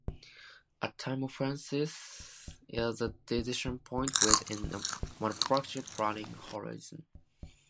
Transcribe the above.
A time fence is a decision point within a manufacturer's planning horizon.